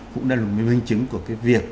cũng là một cái minh chứng của cái việc